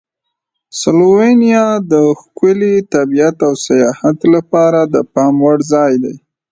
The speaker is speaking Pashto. سلووینیا د ښکلي طبیعت او سیاحت لپاره د پام وړ ځای دی.